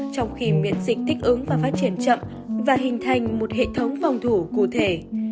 trong khi miễn dịch thích ứng và phát triển chậm và hình thành một hệ thống phòng thủ cụ thể